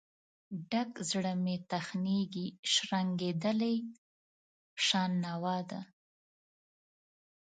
ډک زړه مې تخنیږي، شرنګیدلې شان نوا ته